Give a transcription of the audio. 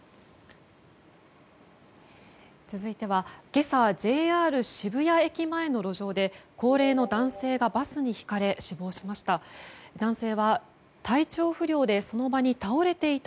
続いては今朝ＪＲ渋谷駅前の路上で高齢の男性がバスにひかれ死亡しました。